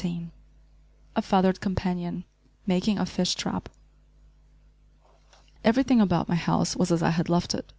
* *A Feathered Companion; Making a Fish Trap.* Everything about my house was as I had left it.